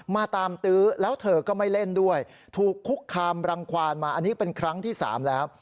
มาตามตื้อแล้วเธอก็ไม่เล่นด้วยถูกคุกคามรังควานมาอันนี้เป็นครั้งที่๓แล้ว